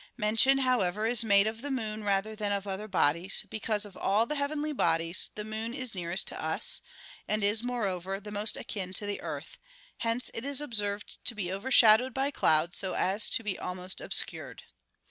Mention, however, is made of the moon rather than of other bodies, because, of all the heavenly bodies, the moon is nearest to us, and is, moreover, the most akin to the earth; hence it is observed to be overshadowed by clouds so as to be almost obscured.